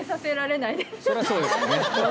そりゃそうですね。